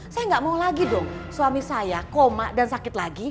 saya nggak mau lagi dong suami saya koma dan sakit lagi